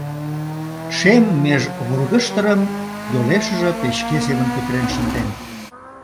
Шем меж вургыштырым йолешыже печке семын пӱтырен шынден.